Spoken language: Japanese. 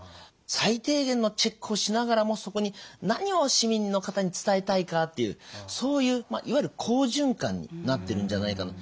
最低限のチェックをしながらもそこに何を市民の方に伝えたいかっていうそういういわゆる好循環になってるんじゃないかな。